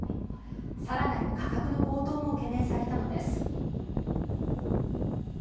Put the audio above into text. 更なる価格の高騰も懸念されたのです。